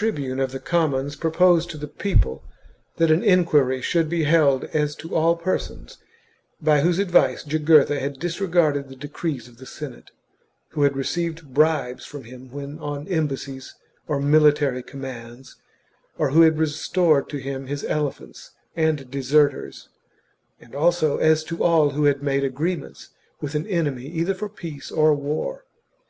^ bune of the commons, proposed to the people that an enquiry should be held as to all persons by whose advice Jugurtha had disregarded the decrees of the Senate, who had received bribes from him when on embassies or military commands, or who had restored to him his elephants and deserters, and also as to all who had made agreements with an enemy either for peace or war.